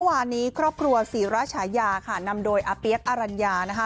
เมื่อวานนี้ครอบครัวศรีราชญาค่ะนำโดยออรัญญานะคะ